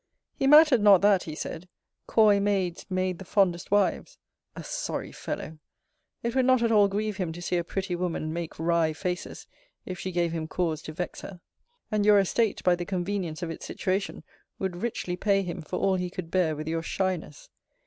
He matter'd not that, he said: coy maids made the fondest wives: [A sorry fellow!] It would not at all grieve him to see a pretty woman make wry faces, if she gave him cause to vex her. And your estate, by the convenience of its situation, would richly pay him for all he could bear with your shyness.